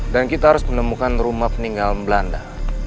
dan kita harus menemukan rumah peninggalan belanda